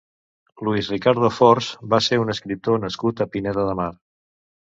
Luis Ricardo Fors va ser un escriptor nascut a Pineda de Mar.